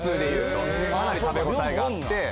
かなり食べ応えがあって。